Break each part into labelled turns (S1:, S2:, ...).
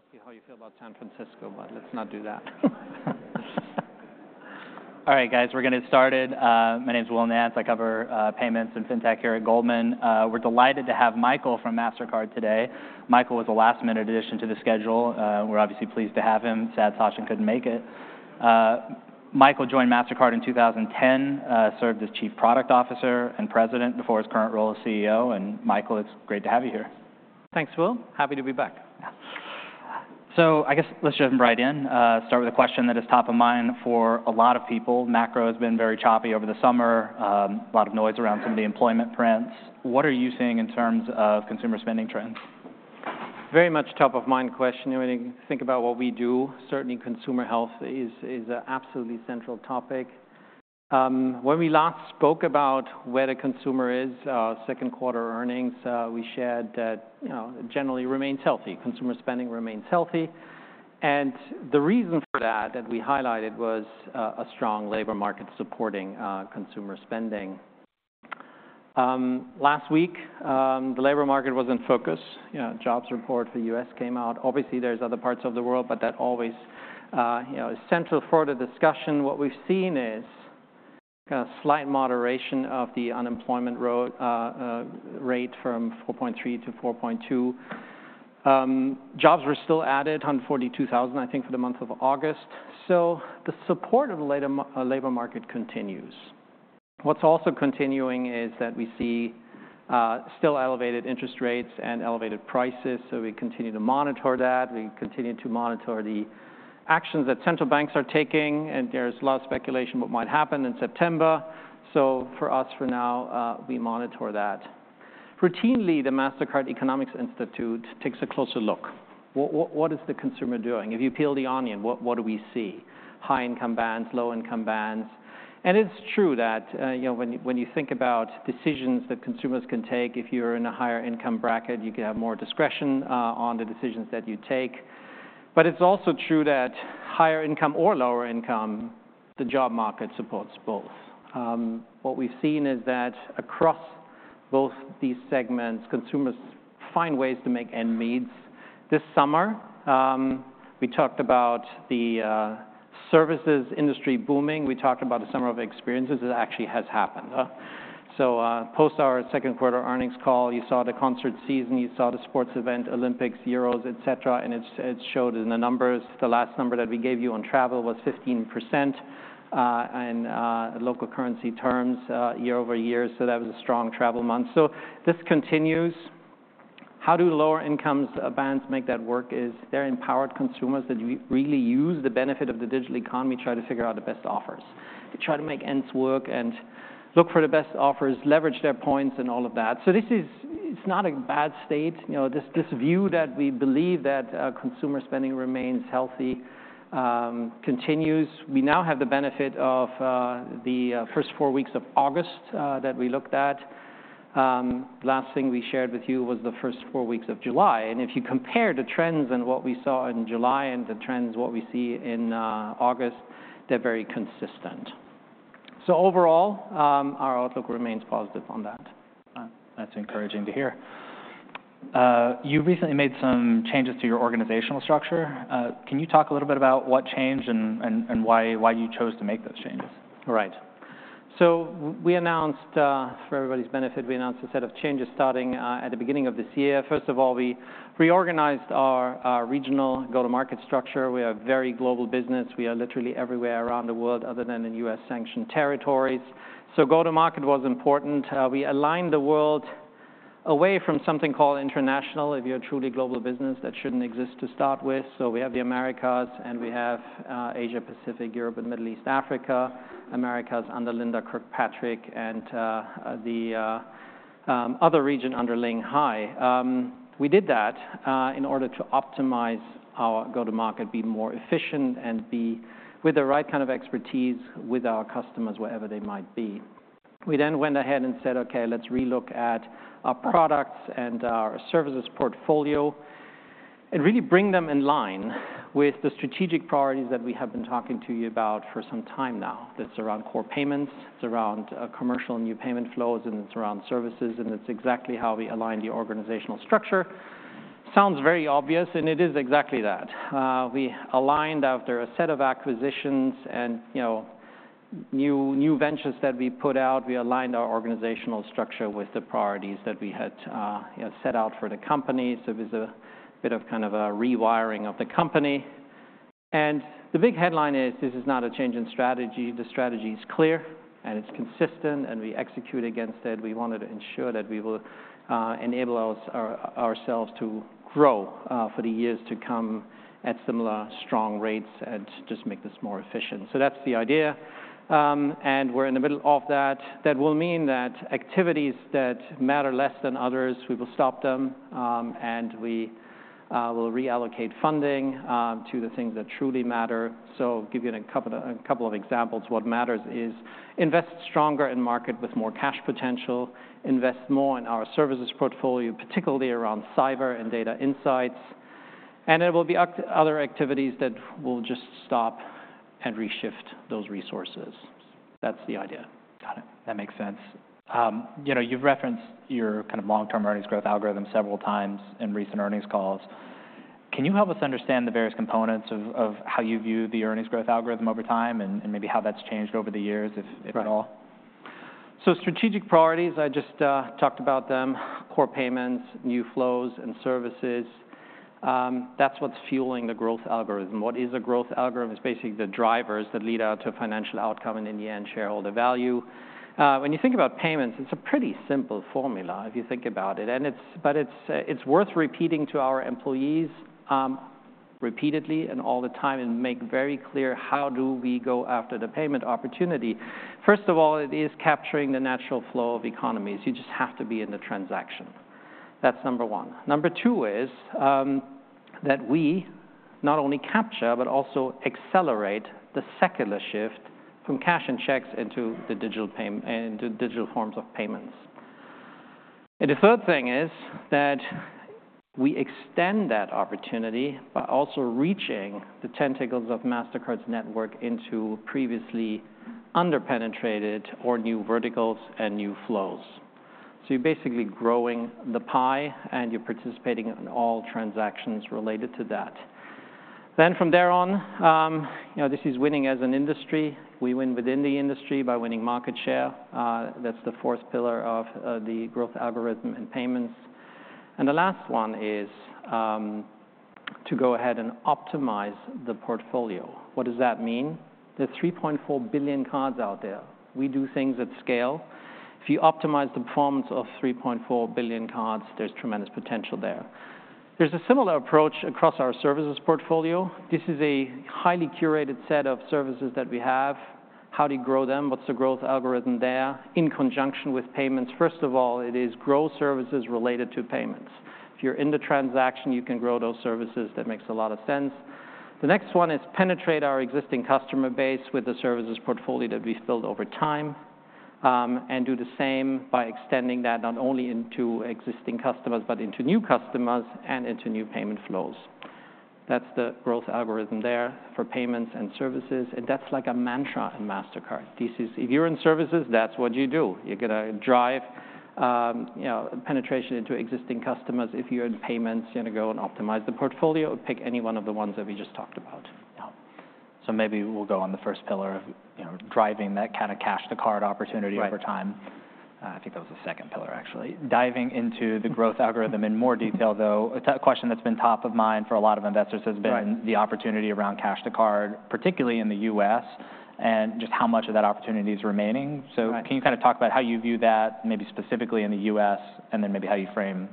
S1: Go on, I was going to ask you how you feel about San Francisco, but let's not do that. All right, guys, we're going to get started. My name is Will Nance. I cover payments and fintech here at Goldman. We're delighted to have Michael from Mastercard today. Michael was a last-minute addition to the schedule. We're obviously pleased to have him. Sad Sachin couldn't make it. Michael joined Mastercard in 2010, served as Chief Product Officer and President before his current role as CEO, and Michael, it's great to have you here.
S2: Thanks, Will. Happy to be back.
S1: Yeah. So I guess let's jump right in. Start with a question that is top of mind for a lot of people. Macro has been very choppy over the summer, a lot of noise around some of the employment trends. What are you seeing in terms of consumer spending trends?
S2: Very much top-of-mind question. When you think about what we do, certainly consumer health is an absolutely central topic. When we last spoke about where the consumer is, second quarter earnings, we shared that, you know, generally remains healthy. Consumer spending remains healthy, and the reason for that we highlighted was a strong labor market supporting consumer spending. Last week, the labor market was in focus. You know, jobs report for U.S. came out. Obviously, there's other parts of the world, but that always, you know, is central for the discussion. What we've seen is a slight moderation of the unemployment rate from 4.3%-4.2%. Jobs were still added, 142,000, I think, for the month of August. So the support of the labor market continues. What's also continuing is that we see still elevated interest rates and elevated prices, so we continue to monitor that. We continue to monitor the actions that central banks are taking, and there's a lot of speculation what might happen in September. So for us, for now, we monitor that. Routinely, the Mastercard Economics Institute takes a closer look. What is the consumer doing? If you peel the onion, what do we see? High-income bands, low-income bands, and it's true that, you know, when you think about decisions that consumers can take, if you're in a higher income bracket, you can have more discretion on the decisions that you take, but it's also true that higher income or lower income, the job market supports both. What we've seen is that across both these segments, consumers find ways to make ends meet. This summer, we talked about the services industry booming. We talked about the summer of experiences. It actually has happened, so post our second quarter earnings call, you saw the concert season, you saw the sports event, Olympics, Euros, et cetera, and it showed in the numbers. The last number that we gave you on travel was 15% in local currency terms year-over-year, so that was a strong travel month. This continues. How do lower income bands make that work is they're empowered consumers that really use the benefit of the digital economy, try to figure out the best offers. They try to make ends work and look for the best offers, leverage their points and all of that. So this is. It's not a bad state. You know, this view that we believe that consumer spending remains healthy continues. We now have the benefit of the first four weeks of August that we looked at. Last thing we shared with you was the first four weeks of July, and if you compare the trends and what we saw in July and the trends what we see in August, they're very consistent. So overall, our outlook remains positive on that.
S1: That's encouraging to hear. You recently made some changes to your organizational structure. Can you talk a little bit about what changed and why you chose to make those changes?
S2: Right. So we announced, for everybody's benefit, we announced a set of changes starting at the beginning of this year. First of all, we reorganized our regional go-to-market structure. We are a very global business. We are literally everywhere around the world other than in U.S. sanctioned territories. So go-to-market was important. We aligned the world away from something called international. If you're a truly global business, that shouldn't exist to start with. So we have the Americas, and we have Asia Pacific, Europe, and Middle East, Africa. Americas under Linda Kirkpatrick and the other region under Ling Hai. We did that in order to optimize our go-to-market, be more efficient, and be with the right kind of expertise with our customers, wherever they might be. We then went ahead and said, "Okay, let's relook at our products and our services portfolio and really bring them in line with the strategic priorities that we have been talking to you about for some time now." That's around core payments. It's around commercial and new payment flows, and it's around services, and it's exactly how we align the organizational structure. Sounds very obvious, and it is exactly that. We aligned after a set of acquisitions and, you know, new ventures that we put out. We aligned our organizational structure with the priorities that we had, you know, set out for the company, so it was a bit of kind of a rewiring of the company, and the big headline is this is not a change in strategy. The strategy is clear, and it's consistent, and we execute against it. We wanted to ensure that we will enable ourselves to grow for the years to come at similar strong rates and just make this more efficient, so that's the idea, and we're in the middle of that. That will mean that activities that matter less than others, we will stop them, and we will reallocate funding to the things that truly matter, so give you a couple of examples. What matters is invest stronger in market with more cash potential, invest more in our services portfolio, particularly around cyber and data insights, and there will be other activities that we'll just stop and reshift those resources. So That's the idea.
S1: Got it. That makes sense. You know, you've referenced your kind of long-term earnings growth algorithm several times in recent earnings calls. Can you help us understand the various components of how you view the earnings growth algorithm over time and maybe how that's changed over the years, if at all?
S2: Right, so strategic priorities, I just talked about them. Core payments, new flows, and services, that's what's fueling the growth algorithm. What is a growth algorithm? It's basically the drivers that lead out to financial outcome and, in the end, shareholder value. When you think about payments, it's a pretty simple formula if you think about it, but it's worth repeating to our employees, repeatedly and all the time and make very clear how do we go after the payment opportunity? First of all, it is capturing the natural flow of economies. You just have to be in the transaction. That's number one. Number two is that we not only capture but also accelerate the secular shift from cash and checks into digital forms of payments. The third thing is that we extend that opportunity by also reaching the tentacles of Mastercard's network into previously under-penetrated or new verticals and new flows. You're basically growing the pie, and you're participating in all transactions related to that. From there on, you know, this is winning as an industry. We win within the industry by winning market share. That's the fourth pillar of the growth algorithm in payments. The last one is to go ahead and optimize the portfolio. What does that mean? There are 3.4 billion cards out there. We do things at scale. If you optimize the performance of 3.4 billion cards, there's tremendous potential there. There's a similar approach across our services portfolio. This is a highly curated set of services that we have. How do you grow them? What's the growth algorithm there in conjunction with payments? First of all, it is grow services related to payments. If you're in the transaction, you can grow those services. That makes a lot of sense. The next one is penetrate our existing customer base with the services portfolio that we've built over time, and do the same by extending that not only into existing customers, but into new customers and into new payment flows. That's the growth algorithm there for payments and services, and that's like a mantra in Mastercard. This is If you're in services, that's what you do. You're gonna drive, you know, penetration into existing customers. If you're in payments, you're gonna go and optimize the portfolio or pick any one of the ones that we just talked about.
S1: Yeah. So maybe we'll go on the first pillar of, you know, driving that kinda cash to card opportunity-
S2: Right
S1: over time. I think that was the second pillar, actually. Diving into the growth algorithm in more detail, though, a question that's been top of mind for a lot of investors has been-
S2: Right
S1: the opportunity around cash to card, particularly in the U.S., and just how much of that opportunity is remaining.
S2: Right.
S1: So, can you kind of talk about how you view that, maybe specifically in the U.S., and then maybe how you frame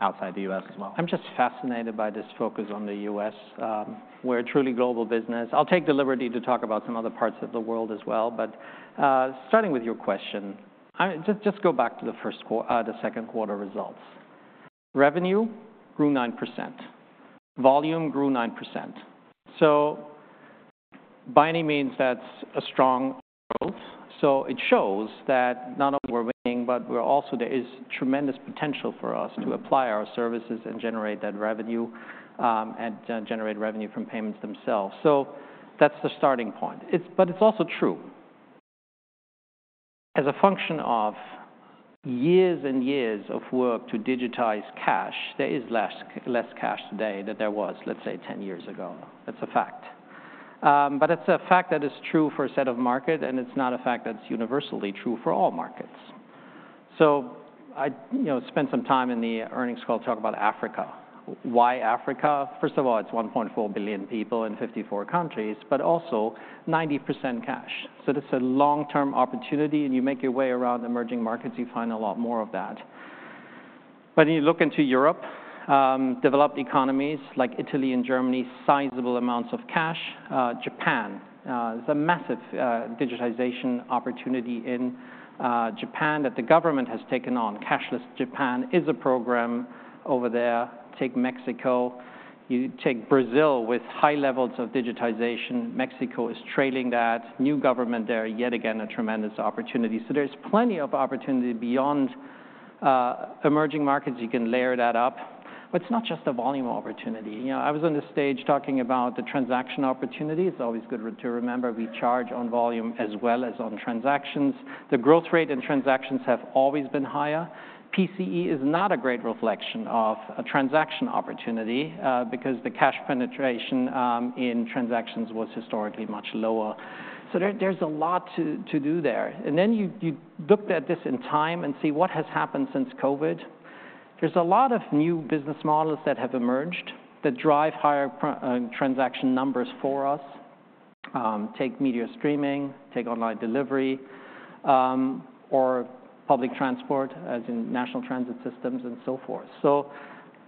S1: outside the U.S. as well?
S2: I'm just fascinated by this focus on the U.S. We're a truly global business. I'll take the liberty to talk about some other parts of the world as well, but starting with your question, the second quarter results. Revenue grew 9%. Volume grew 9%. So by any means, that's a strong growth. So it shows that not only we're winning, but we're also there is tremendous potential for us to apply our services and generate that revenue, and generate revenue from payments themselves. So that's the starting point, but it's also true. As a function of years and years of work to digitize cash, there is less cash today than there was, let's say, ten years ago. That's a fact. But it's a fact that is true for a set of markets, and it's not a fact that's universally true for all markets. So I, you know, spent some time in the earnings call to talk about Africa. Why Africa? First of all, it's 1.4 billion people in 54 countries, but also 90% cash. So this is a long-term opportunity, and you make your way around emerging markets, you find a lot more of that. But you look into Europe, developed economies like Italy and Germany, sizable amounts of cash. Japan, there's a massive digitization opportunity in Japan that the government has taken on. Cashless Japan is a program over there. Take Mexico. You take Brazil with high levels of digitization. Mexico is trailing that. New government there, yet again, a tremendous opportunity. So there's plenty of opportunity beyond emerging markets. You can layer that up, but it's not just a volume opportunity. You know, I was on the stage talking about the transaction opportunity. It's always good to remember we charge on volume as well as on transactions. The growth rate in transactions have always been higher. PCE is not a great reflection of a transaction opportunity because the cash penetration in transactions was historically much lower. So there's a lot to do there. And then you looked at this in time and see what has happened since COVID. There's a lot of new business models that have emerged that drive higher transaction numbers for us. Take media streaming, take online delivery, or public transport, as in national transit systems and so forth. So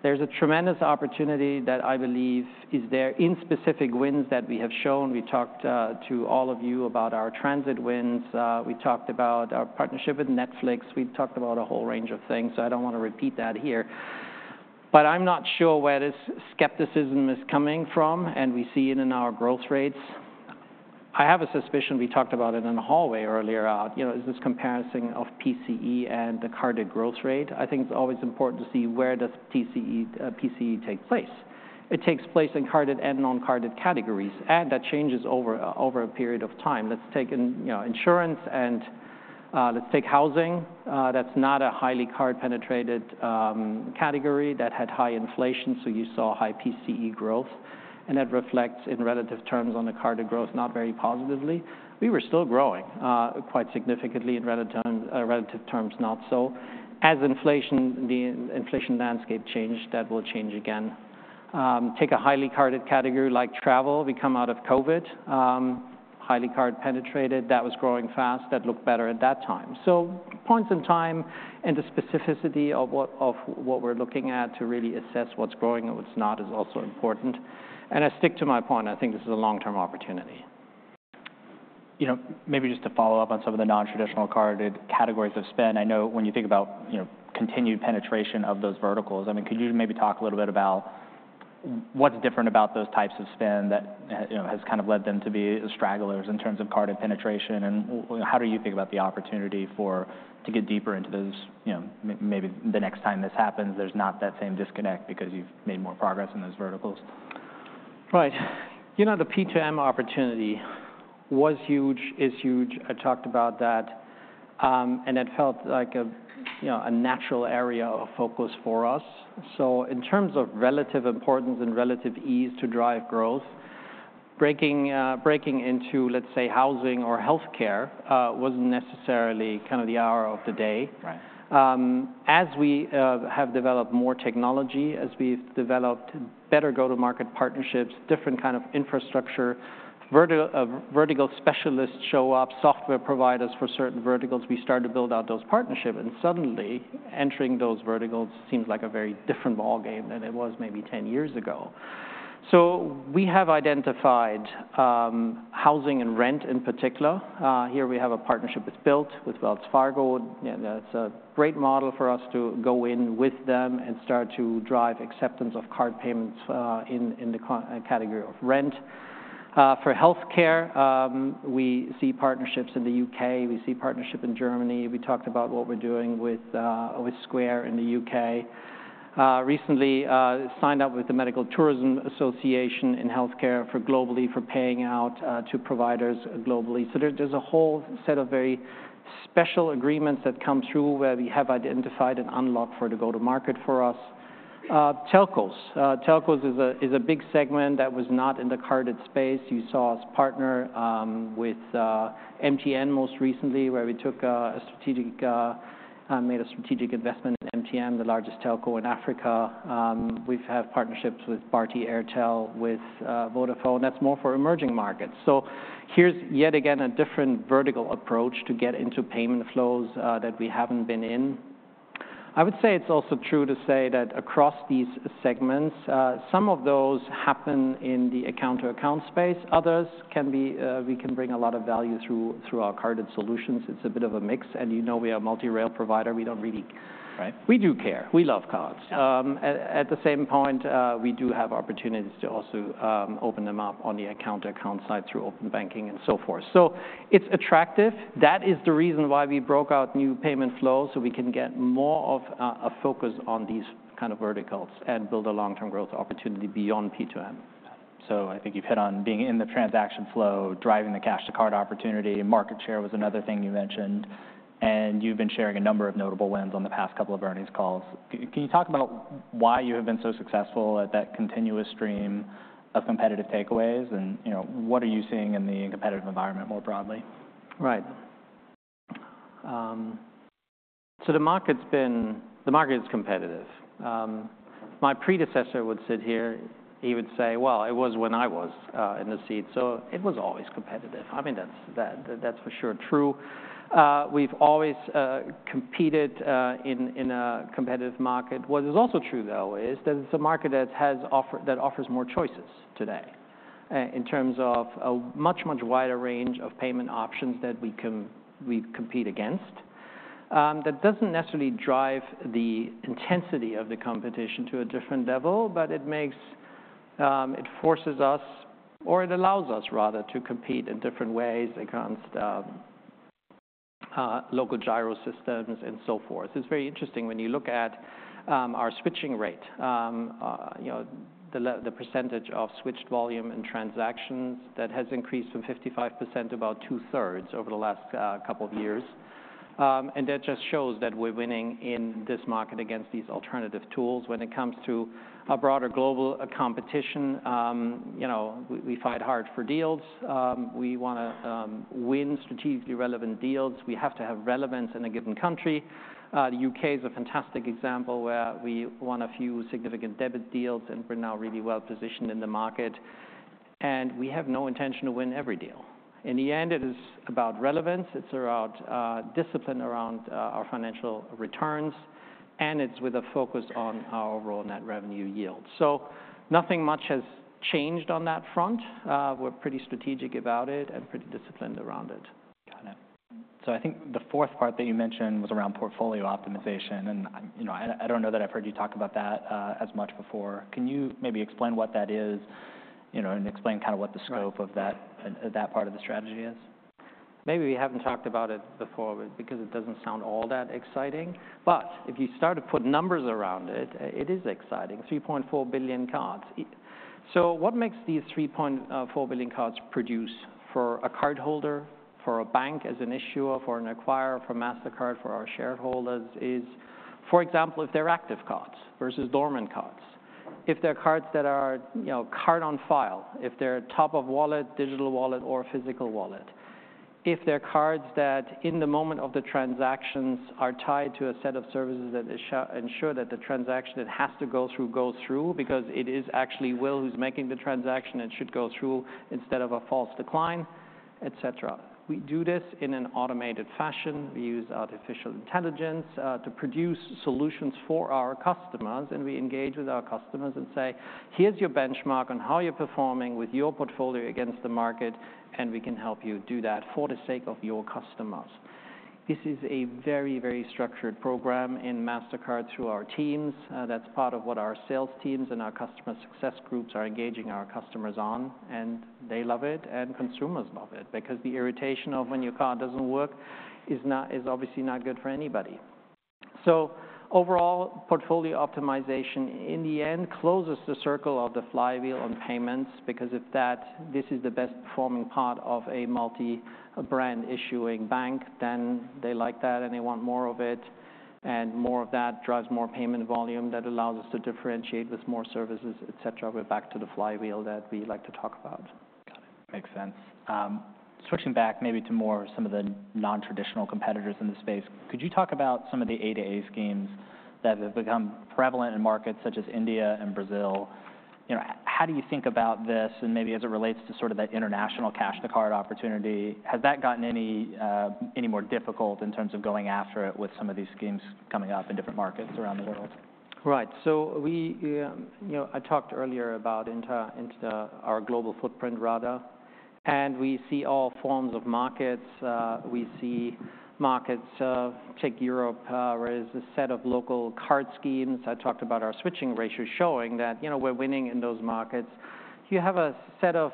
S2: there's a tremendous opportunity that I believe is there in specific wins that we have shown. We talked to all of you about our transit wins. We talked about our partnership with Netflix. We've talked about a whole range of things, so I don't want to repeat that here. But I'm not sure where this skepticism is coming from, and we see it in our growth rates. I have a suspicion, we talked about it in the hallway earlier on, you know, is this comparison of PCE and the carded growth rate. I think it's always important to see where does PCE, PCE take place. It takes place in carded and non-carded categories, and that changes over a period of time. Let's take in, you know, insurance and, let's take housing. That's not a highly card-penetrated category. That had high inflation, so you saw high PCE growth, and that reflects in relative terms on the carded growth not very positively. We were still growing quite significantly, in relative terms, not so. As inflation, the inflation landscape changed, that will change again. Take a highly carded category like travel. We come out of COVID, highly card-penetrated. That was growing fast. That looked better at that time, so points in time and the specificity of what we're looking at to really assess what's growing and what's not is also important, and I stick to my point, I think this is a long-term opportunity.
S1: You know, maybe just to follow up on some of the non-traditional carded categories of spend, I know when you think about, you know, continued penetration of those verticals, I mean, could you maybe talk a little bit about what's different about those types of spend that, you know, has kind of led them to be stragglers in terms of carded penetration? And how do you think about the opportunity to get deeper into those, you know, maybe the next time this happens, there's not that same disconnect because you've made more progress in those verticals?
S2: Right. You know, the P2M opportunity was huge, is huge. I talked about that, and it felt like a, you know, a natural area of focus for us. So in terms of relative importance and relative ease to drive growth, breaking into, let's say, housing or healthcare, wasn't necessarily kind of the hour of the day.
S1: Right.
S2: As we have developed more technology, as we've developed better go-to-market partnerships, different kind of infrastructure, vertical specialists show up, software providers for certain verticals, we start to build out those partnerships, and suddenly, entering those verticals seems like a very different ballgame than it was maybe ten years ago, so we have identified housing and rent in particular. Here we have a partnership with Bilt, with Wells Fargo, and that's a great model for us to go in with them and start to drive acceptance of card payments in the category of rent. For healthcare, we see partnerships in the U.K. We see partnership in Germany. We talked about what we're doing with Square in the U.K. Recently signed up with the Medical Tourism Association in healthcare for globally for paying out to providers globally. So there, there's a whole set of very special agreements that come through, where we have identified an unlock for the go-to-market for us. Telcos. Telcos is a big segment that was not in the carded space. You saw us partner with MTN most recently, where we took a strategic investment in MTN, the largest telco in Africa. We've had partnerships with Bharti Airtel, with Vodafone. That's more for emerging markets. So here's, yet again, a different vertical approach to get into payment flows that we haven't been in. I would say it's also true to say that across these segments, some of those happen in the account-to-account space. Others can be, we can bring a lot of value through our carded solutions. It's a bit of a mix, and you know we are a multi-rail provider. We don't really-
S1: Right.
S2: We do care. We love cards.
S1: Yeah.
S2: At the same point, we do have opportunities to also open them up on the account-to-account side through open banking and so forth. So it's attractive. That is the reason why we broke out new payment flows, so we can get more of a focus on these kind of verticals and build a long-term growth opportunity beyond P2M.
S1: I think you've hit on being in the transaction flow, driving the cash to card opportunity, and market share was another thing you mentioned, and you've been sharing a number of notable wins on the past couple of earnings calls. Can you talk about why you have been so successful at that continuous stream of competitive takeaways, and, you know, what are you seeing in the competitive environment more broadly?
S2: Right. So the market's been. The market is competitive. My predecessor would sit here, he would say, "Well, it was when I was in the seat," so it was always competitive. I mean, that's for sure true. We've always competed in a competitive market. What is also true, though, is that it's a market that offers more choices today in terms of a much wider range of payment options that we compete against. That doesn't necessarily drive the intensity of the competition to a different level, but it makes. It forces us, or it allows us, rather, to compete in different ways against local giro systems and so forth. It's very interesting when you look at our switching rate, you know, the percentage of switched volume and transactions, that has increased from 55% to about two-thirds over the last couple of years. And that just shows that we're winning in this market against these alternative tools. When it comes to a broader global competition, you know, we, we fight hard for deals. We want to win strategically relevant deals. We have to have relevance in a given country. The U.K. is a fantastic example where we won a few significant debit deals, and we're now really well-positioned in the market, and we have no intention to win every deal. In the end, it is about relevance. It's about discipline around our financial returns, and it's with a focus on our overall net revenue yield. So nothing much has changed on that front. We're pretty strategic about it and pretty disciplined around it.
S1: Got it. So I think the fourth part that you mentioned was around portfolio optimization, and I'm, you know, I don't know that I've heard you talk about that as much before. Can you maybe explain what that is, you know, and explain kind of what the scope-
S2: Right...
S1: of that, that part of the strategy is?
S2: Maybe we haven't talked about it before because it doesn't sound all that exciting, but if you start to put numbers around it, it is exciting, three point four billion cards. So what makes these three point four billion cards produce for a cardholder, for a bank as an issuer, for an acquirer, for Mastercard, for our shareholders is, for example, if they're active cards versus dormant cards. If they're cards that are, you know, card on file. If they're top of wallet, digital wallet or physical wallet. If they're cards that in the moment of the transactions are tied to a set of services that ensure that the transaction it has to go through, goes through because it is actually Will who's making the transaction, it should go through instead of a false decline, et cetera. We do this in an automated fashion. We use artificial intelligence to produce solutions for our customers, and we engage with our customers and say, "Here's your benchmark on how you're performing with your portfolio against the market, and we can help you do that for the sake of your customers." This is a very, very structured program in Mastercard through our teams. That's part of what our sales teams and our customer success groups are engaging our customers on, and they love it, and consumers love it because the irritation of when your card doesn't work is obviously not good for anybody. So overall, portfolio optimization, in the end, closes the circle of the flywheel on payments, because if this is the best performing part of a multi-brand issuing bank, then they like that and they want more of it, and more of that drives more payment volume that allows us to differentiate with more services, et cetera. We're back to the flywheel that we like to talk about.
S1: Got it. Makes sense. Switching back maybe to more some of the non-traditional competitors in the space, could you talk about some of the A2A schemes that have become prevalent in markets such as India and Brazil? You know, how do you think about this and maybe as it relates to sort of that international cash to card opportunity, has that gotten any, any more difficult in terms of going after it with some of these schemes coming up in different markets around the world?
S2: Right. So we, You know, I talked earlier about our global footprint rather, and we see all forms of markets. We see markets, take Europe, where there's a set of local card schemes. I talked about our switching ratios showing that, you know, we're winning in those markets. You have a set of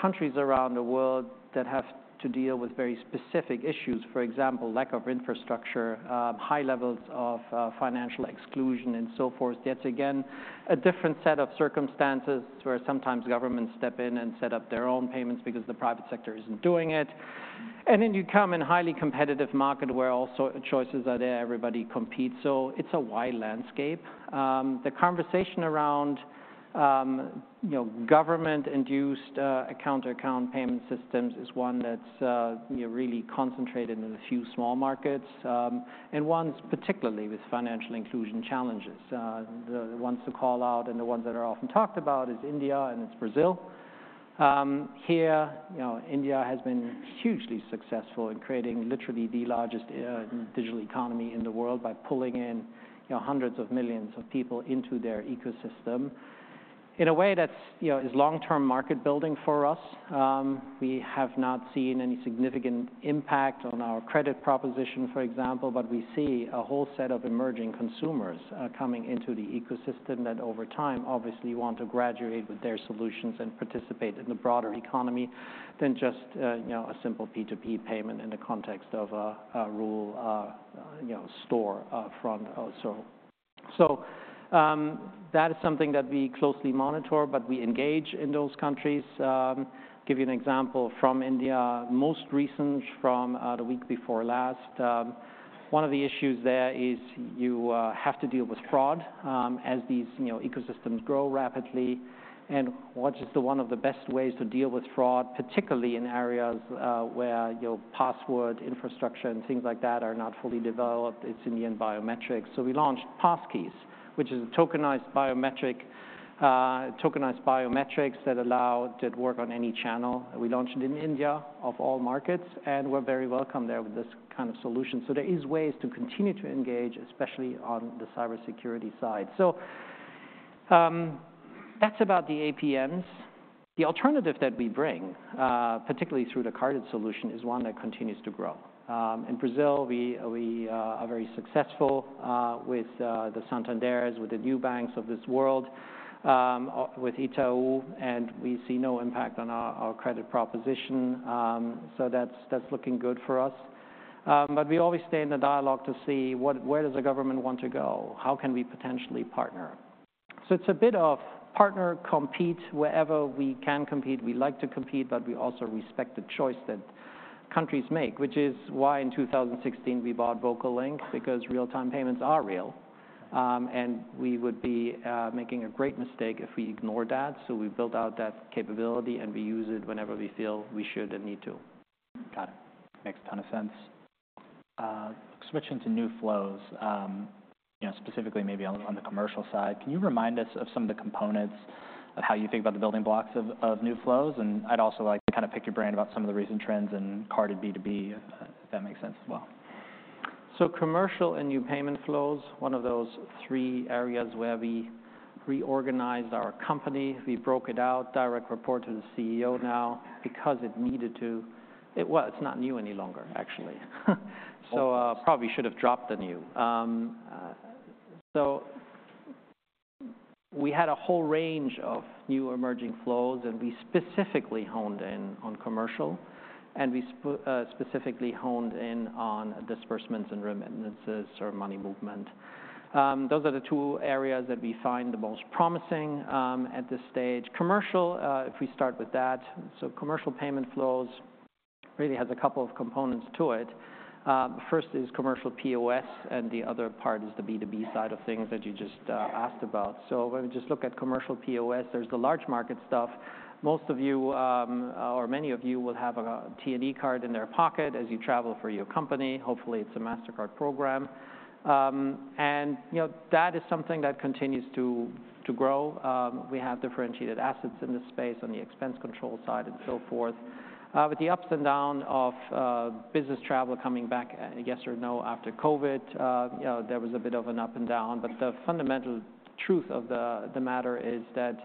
S2: countries around the world that have to deal with very specific issues, for example, lack of infrastructure, high levels of financial exclusion, and so forth. Yet again, a different set of circumstances where sometimes governments step in and set up their own payments because the private sector isn't doing it. Then you come in a highly competitive market where all sorts of choices are there, everybody competes, so it's a wide landscape. The conversation around, you know, government-induced, account-to-account payment systems is one that's, you know, really concentrated in a few small markets, and ones, particularly, with financial inclusion challenges. The ones to call out and the ones that are often talked about is India and it's Brazil. Here, you know, India has been hugely successful in creating literally the largest, digital economy in the world by pulling in, you know, hundreds of millions of people into their ecosystem. In a way, that's, you know, is long-term market building for us. We have not seen any significant impact on our credit proposition, for example, but we see a whole set of emerging consumers coming into the ecosystem that over time, obviously want to graduate with their solutions and participate in the broader economy than just you know, a simple P2P payment in the context of a rural you know, store front also. So, that is something that we closely monitor, but we engage in those countries. Give you an example from India, most recent from the week before last. One of the issues there is you have to deal with fraud as these you know, ecosystems grow rapidly. And what is the one of the best ways to deal with fraud, particularly in areas where your password infrastructure and things like that are not fully developed? It's in the end, biometrics. So we launched Passkeys, which is a tokenized biometric, tokenized biometrics that allow to work on any channel. We launched it in India, of all markets, and we're very welcome there with this kind of solution. So there is ways to continue to engage, especially on the cybersecurity side. So, that's about the APMs. The alternative that we bring, particularly through the carded solution, is one that continues to grow. In Brazil, we are very successful with the Santanders, with the Nubanks of this world, with Itaú, and we see no impact on our credit proposition. So that's looking good for us. But we always stay in the dialogue to see where does the government want to go? How can we potentially partner? So it's a bit of partner, compete. Wherever we can compete, we like to compete, but we also respect the choice that countries make, which is why in 2016 we bought VocaLink, because real-time payments are real, and we would be making a great mistake if we ignored that. So we built out that capability, and we use it whenever we feel we should and need to.
S1: Got it. Makes a ton of sense. Switching to new flows, you know, specifically maybe on the commercial side, can you remind us of some of the components of how you think about the building blocks of new flows? And I'd also like to kind of pick your brain about some of the recent trends in card and B2B, if that makes sense as well.
S2: Commercial and new payment flows, one of those three areas where we reorganized our company. We broke it out, direct report to the CEO now, because it needed to. It's not new any longer, actually.
S1: Okay.
S2: So, probably should have dropped the new. We had a whole range of new emerging flows, and we specifically honed in on commercial, and specifically honed in on disbursements and remittances or money movement. Those are the two areas that we find the most promising at this stage. Commercial, if we start with that, so commercial payment flows really has a couple of components to it. The first is commercial POS, and the other part is the B2B side of things that you just asked about. So when we just look at commercial POS, there's the large market stuff. Most of you or many of you will have a T&E card in their pocket as you travel for your company. Hopefully, it's a Mastercard program. And, you know, that is something that continues to grow. We have differentiated assets in this space on the expense control side and so forth. With the ups and downs of business travel coming back, yes or no, after COVID, you know, there was a bit of an up and down. But the fundamental truth of the matter is that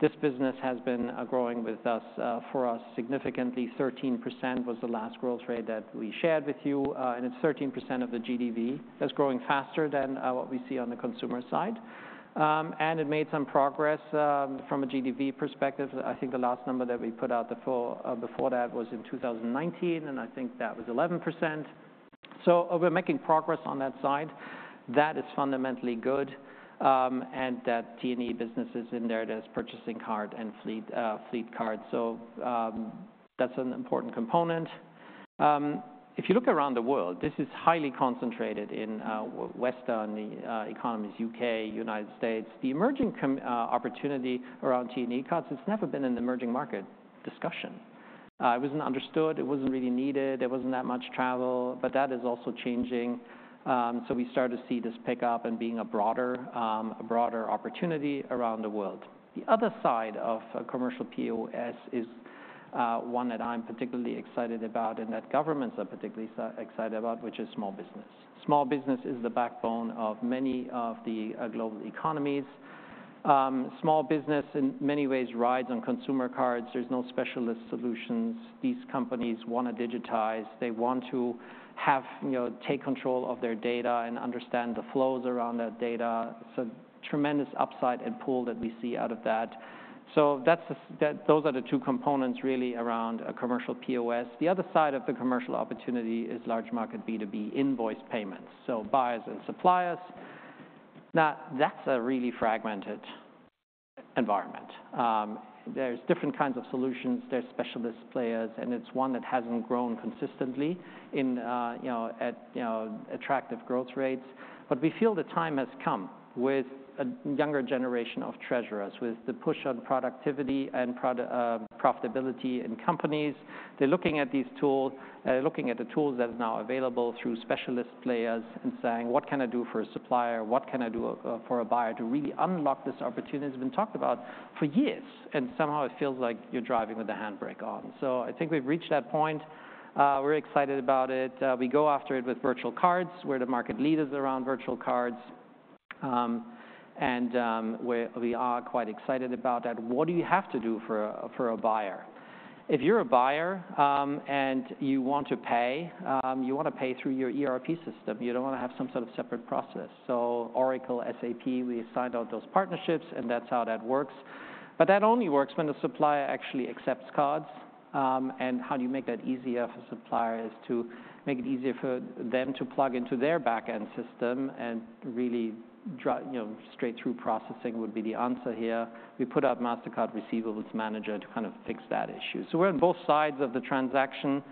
S2: this business has been growing with us for us significantly. 13% was the last growth rate that we shared with you, and it's 13% of the GDV. That's growing faster than what we see on the consumer side. And it made some progress from a GDV perspective. I think the last number that we put out before that was in 2019, and I think that was 11%. So we're making progress on that side. That is fundamentally good, and that T&E business is in there. There's purchasing card and fleet card, so that's an important component. If you look around the world, this is highly concentrated in western economies, U.K., United States. The emerging opportunity around T&E cards, it's never been an emerging market discussion. It wasn't understood, it wasn't really needed, there wasn't that much travel, but that is also changing. So we start to see this pick up and being a broader opportunity around the world. The other side of commercial POS is one that I'm particularly excited about and that governments are particularly excited about, which is small business. Small business is the backbone of many of the global economies. Small business, in many ways, rides on consumer cards. There's no specialist solutions. These companies want to digitize. They want to have... you know, take control of their data and understand the flows around that data, so tremendous upside and pull that we see out of that. So that's those are the two components really around a commercial POS. The other side of the commercial opportunity is large market B2B invoice payments, so buyers and suppliers. Now, that's a really fragmented environment. There's different kinds of solutions, there's specialist players, and it's one that hasn't grown consistently in, you know, attractive growth rates. But we feel the time has come with a younger generation of treasurers, with the push on productivity and profitability in companies. They're looking at these tools, looking at the tools that are now available through specialist players and saying: "What can I do for a supplier? What can I do for a buyer to really unlock this opportunity that's been talked about for years?" And somehow it feels like you're driving with a handbrake on. So I think we've reached that point. We're excited about it. We go after it with Virtual Cards. We're the market leaders around Virtual Cards, and we're quite excited about that. What do you have to do for a buyer? If you're a buyer, and you want to pay, you want to pay through your ERP system. You don't want to have some sort of separate process. So Oracle, SAP, we signed all those partnerships, and that's how that works. But that only works when the supplier actually accepts cards. And how do you make that easier for suppliers? To make it easier for them to plug into their backend system and really drive. You know, straight-through processing would be the answer here. We put out Mastercard Receivables Manager to kind of fix that issue. So we're on both sides of the transaction,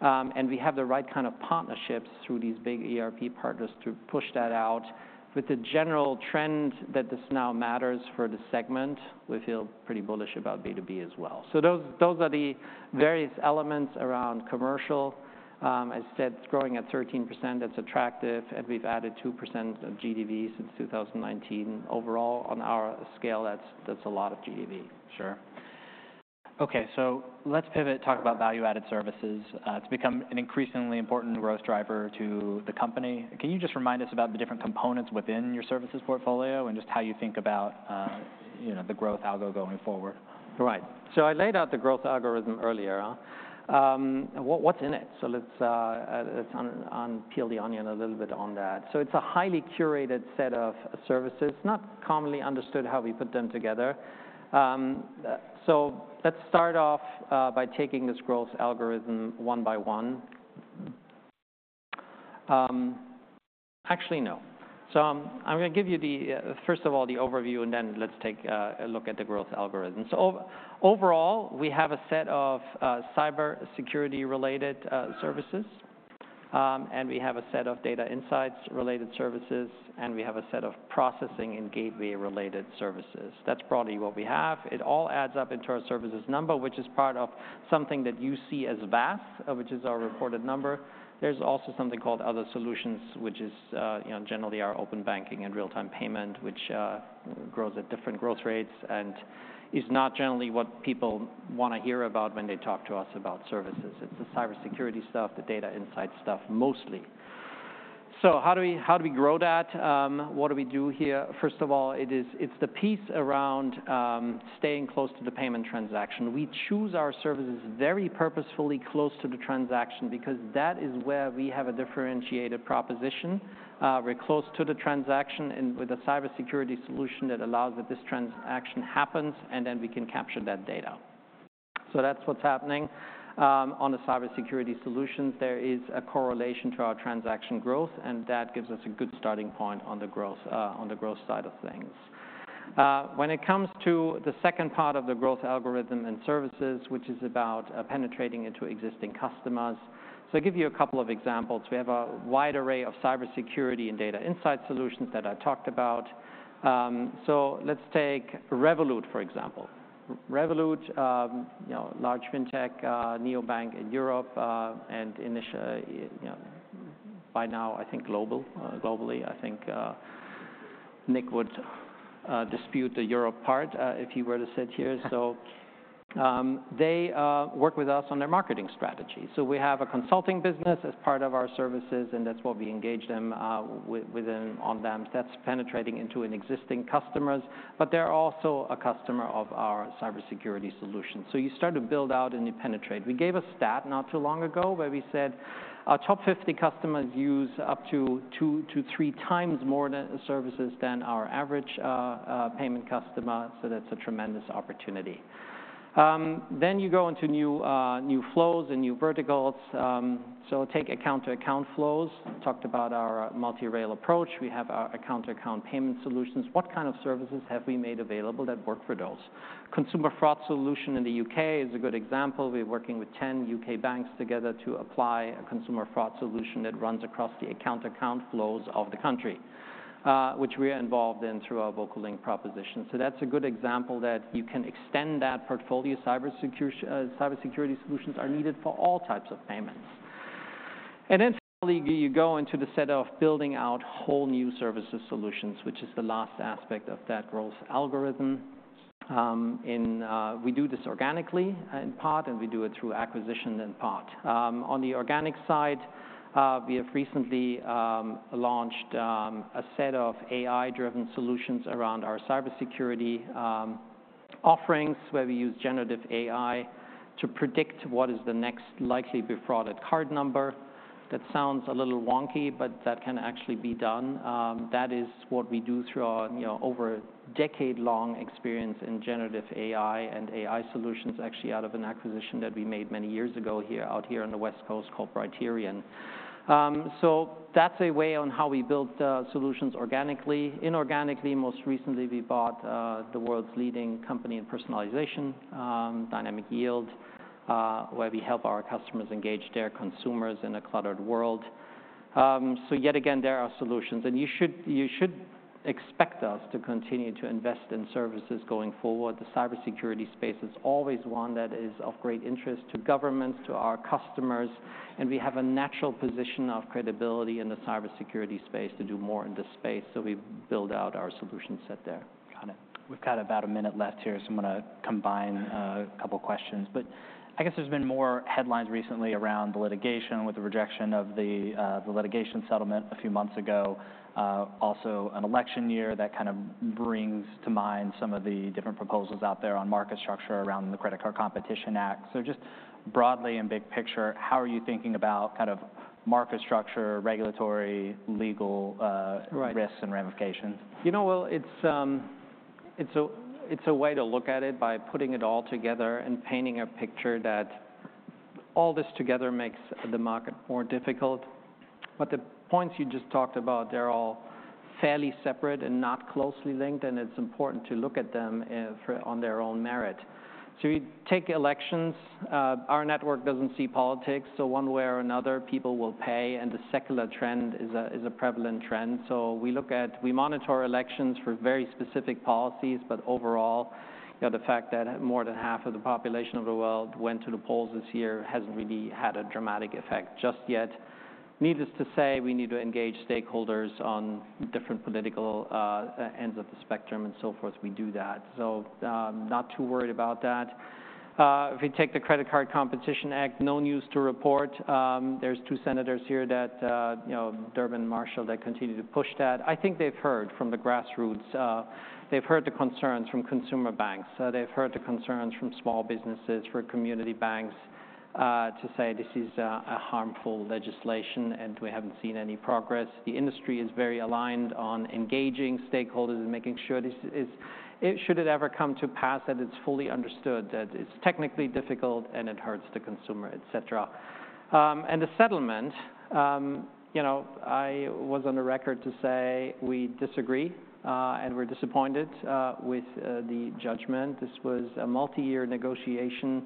S2: and we have the right kind of partnerships through these big ERP partners to push that out. With the general trend that this now matters for the segment, we feel pretty bullish about B2B as well. So those are the various elements around commercial. As I said, it's growing at 13%. That's attractive, and we've added 2% of GDV since 2019. Overall, on our scale, that's a lot of GDV.
S1: Sure. Okay, so let's pivot and talk about value-added services. It's become an increasingly important growth driver to the company. Can you just remind us about the different components within your services portfolio and just how you think about, you know, the growth algo going forward?
S2: Right. So I laid out the growth algorithm earlier. What's in it? So let's peel the onion a little bit on that. So it's a highly curated set of services, not commonly understood how we put them together. So let's start off by taking this growth algorithm one by one. Actually, no. So I'm gonna give you the first of all, the overview, and then let's take a look at the growth algorithm. So overall, we have a set of cybersecurity-related services, and we have a set of data insights-related services, and we have a set of processing and gateway-related services. That's broadly what we have. It all adds up into our services number, which is part of something that you see as VAS, which is our reported number. There's also something called Other Solutions, which is, you know, generally our open banking and real-time payment, which grows at different growth rates and is not generally what people want to hear about when they talk to us about services. It's the cybersecurity stuff, the data insight stuff, mostly. So how do we, how do we grow that? What do we do here? First of all, it's the piece around staying close to the payment transaction. We choose our services very purposefully close to the transaction because that is where we have a differentiated proposition. We're close to the transaction and with a cybersecurity solution that allows that this transaction happens, and then we can capture that data. So that's what's happening on the cybersecurity solutions. There is a correlation to our transaction growth, and that gives us a good starting point on the growth, on the growth side of things. When it comes to the second part of the growth algorithm and services, which is about, penetrating into existing customers, so I'll give you a couple of examples. We have a wide array of cybersecurity and data insight solutions that I talked about. So let's take Revolut, for example. Revolut, you know, large fintech, Neobank in Europe, and you know, by now, I think global, globally. I think, Nick would, dispute the Europe part, if he were to sit here. So, they work with us on their marketing strategy. So we have a consulting business as part of our services, and that's where we engage them with them on them that's penetrating into an existing customers, but they're also a customer of our cybersecurity solution. You start to build out, and you penetrate. We gave a stat not too long ago, where we said our top 50 customers use up to two to three times more services than our average payment customer, so that's a tremendous opportunity. Then you go into new flows and new verticals. Take account-to-account flows. We talked about our multi-rail approach. We have our account-to-account payment solutions. What kind of services have we made available that work for those? Consumer fraud solution in the U.K. is a good example. We're working with ten U.K. banks together to apply a consumer fraud solution that runs across the account-to-account flows of the country, which we are involved in through our VocaLink proposition, so that's a good example that you can extend that portfolio. Cybersecurity solutions are needed for all types of payments, and then finally, you go into the set of building out whole new services solutions, which is the last aspect of that growth algorithm, and we do this organically in part, and we do it through acquisition in part. On the organic side, we have recently launched a set of AI-driven solutions around our cybersecurity offerings, where we use generative AI to predict what is the next likely defrauded card number. That sounds a little wonky, but that can actually be done. That is what we do through our, you know, over a decade-long experience in generative AI and AI solutions, actually out of an acquisition that we made many years ago here, out here on the West Coast, called Brighterion. So that's a way on how we build solutions organically. Inorganically, most recently, we bought the world's leading company in personalization, Dynamic Yield, where we help our customers engage their consumers in a cluttered world. So yet again, there are solutions, and you should expect us to continue to invest in services going forward. The cybersecurity space is always one that is of great interest to governments, to our customers, and we have a natural position of credibility in the cybersecurity space to do more in this space, so we build out our solution set there.
S1: Got it. We've got about a minute left here, so I'm gonna combine a couple questions. But I guess there's been more headlines recently around the litigation, with the rejection of the litigation settlement a few months ago. Also an election year, that kind of brings to mind some of the different proposals out there on market structure around the Credit Card Competition Act. So just broadly and big picture, how are you thinking about kind of market structure, regulatory, legal?
S2: Right
S1: risks and ramifications?
S2: You know, well, it's a way to look at it by putting it all together and painting a picture that all this together makes the market more difficult. But the points you just talked about, they're all fairly separate and not closely linked, and it's important to look at them on their own merit. So you take elections, our network doesn't see politics, so one way or another, people will pay, and the secular trend is a prevalent trend. So we look at. We monitor elections for very specific policies, but overall, you know, the fact that more than half of the population of the world went to the polls this year hasn't really had a dramatic effect just yet. Needless to say, we need to engage stakeholders on different political ends of the spectrum and so forth. We do that, so, not too worried about that. If you take the Credit Card Competition Act, no news to report. There's two senators here that, you know, Durbin and Marshall, that continue to push that. I think they've heard from the grassroots, they've heard the concerns from consumer banks. They've heard the concerns from small businesses, for community banks, to say this is, a harmful legislation, and we haven't seen any progress. The industry is very aligned on engaging stakeholders and making sure this is, should it ever come to pass, that it's fully understood that it's technically difficult and it hurts the consumer, et cetera. And the settlement, you know, I was on the record to say we disagree, and we're disappointed, with, the judgment. This was a multi-year negotiation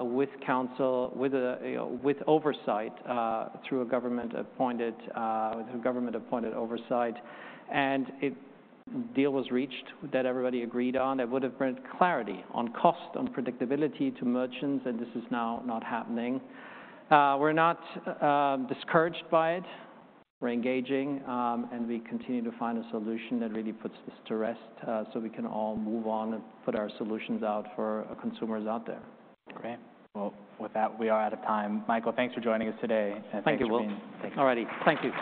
S2: with counsel, with oversight through a government-appointed oversight. And a deal was reached that everybody agreed on, that would've brought clarity on cost, on predictability to merchants, and this is now not happening. We're not discouraged by it. We're engaging, and we continue to find a solution that really puts this to rest, so we can all move on and put our solutions out for our consumers out there.
S1: Great. Well, with that, we are out of time. Michael, thanks for joining us today, and thanks for being-
S2: Thank you, Will.
S1: Thank you.
S2: All righty. Thank you.